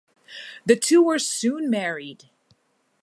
The two were soon married.